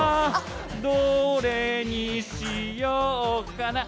どれにしようかな。